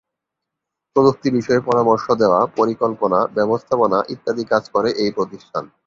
প্রযুক্তি বিষয়ে পরামর্শ দেওয়া, পরিকল্পনা, ব্যবস্থাপনা ইত্যাদি কাজ করে এই প্রতিষ্ঠান।